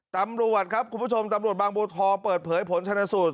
ตำรวจครับคุณผู้ชมตำรวจบางบัวทองเปิดเผยผลชนสูตร